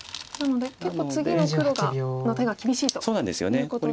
なので結構次の黒の手が厳しいということで。